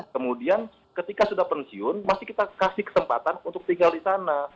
kemudian ketika sudah pensiun masih kita kasih kesempatan untuk tinggal di sana